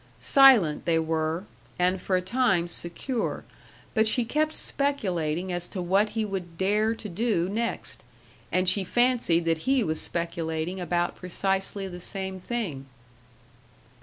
Silent they were, and for a time secure, but she kept speculating as to what he would dare to do next and she fancied that he was speculating about precisely the same thing.